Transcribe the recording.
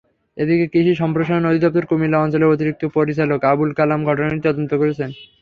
এদিকে কৃষি সম্প্রসারণ অধিদপ্তর কুমিল্লা অঞ্চলের অতিরিক্ত পরিচালক আবুল কালাম ঘটনাটি তদন্ত করছেন।